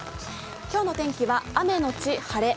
今日の天気は雨のち晴れ